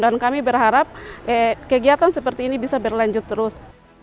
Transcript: dan kami berharap kegiatan seperti ini bisa berlanjut terus